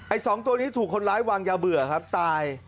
สองตัวนี้ถูกคนร้ายวางยาเบื่อครับตาย